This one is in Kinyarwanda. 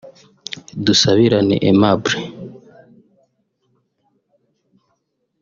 Dusabirane Aimable